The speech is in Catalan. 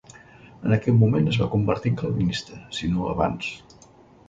En aquest moment es va convertir en calvinista, si no abans.